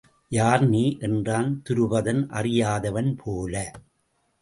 யார் நீ? என்றான் துருபதன் அறியாதவன் போல.